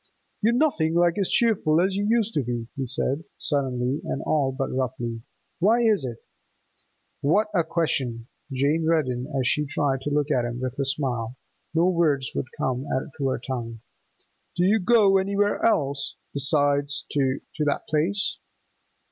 'You're nothing like as cheerful as you used to be,' he said, suddenly, and all but roughly. 'Why is it?' What a question! Jane reddened as she tried to look at him with a smile; no words would come to her tongue. 'Do you go anywhere else, besides to—to that place?